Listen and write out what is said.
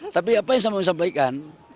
tapi apa yang saya mau sampaikan